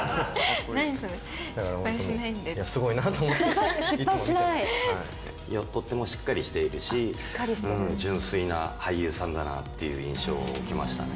すごいなと思って、いつも見とってもしっかりしているし、純粋な俳優さんだなっていう印象を受けましたね。